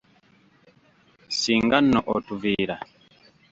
Singa nno atuviira.